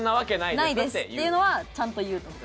「ないです」っていうのはちゃんと言うと思う。